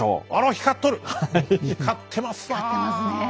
光ってますね。